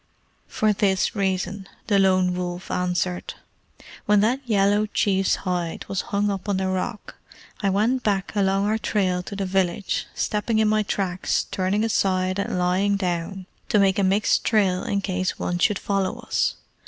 "For this reason," the Lone Wolf answered: "when that yellow chief's hide was hung up on the rock, I went back along our trail to the village, stepping in my tracks, turning aside, and lying down, to make a mixed trail in case one should follow us.